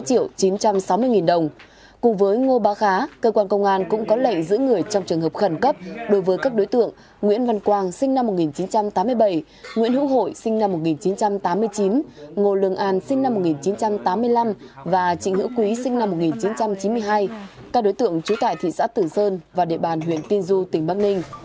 cùng với ngô bà khá cơ quan công an cũng có lệnh giữ người trong trường hợp khẩn cấp đối với các đối tượng nguyễn văn quang sinh năm một nghìn chín trăm tám mươi bảy nguyễn hữu hội sinh năm một nghìn chín trăm tám mươi chín ngô lường an sinh năm một nghìn chín trăm tám mươi năm và trịnh hữu quý sinh năm một nghìn chín trăm chín mươi hai các đối tượng trú tại thị xã tử sơn và địa bàn huyện tiên du tỉnh bắc ninh